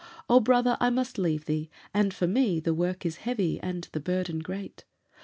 "Oh, brother, I must leave thee, and for me The work is heavy, and the burden great.